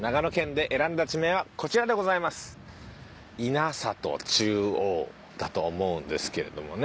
「稲里中央」だと思うんですけれどもね。